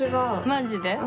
マジで？